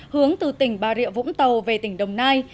hướng từ tỉnh bà rịa vũng tàu về tỉnh đồng nai